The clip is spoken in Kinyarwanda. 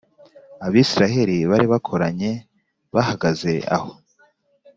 “abisiraheli bari bakoranye bahagaze aho.”